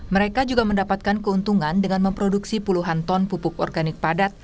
mereka juga mendapatkan keuntungan dengan memproduksi puluhan ton pupuk organik padat